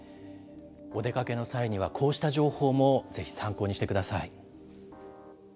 お出かけの際にはこうした情報もぜひ参考にしてください。